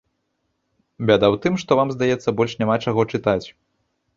Бяда ў тым, што вам, здаецца, больш няма чаго чытаць.